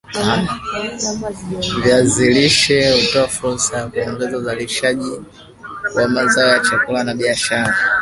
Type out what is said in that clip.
Viazi lishe hutoa fursa ya kuongeza uzalishaji wa mazao ya chakula na biashara